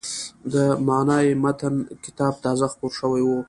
د «معنای متن» کتاب تازه خپور شوی و.